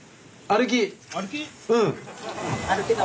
歩き？